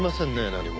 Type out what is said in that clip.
何も。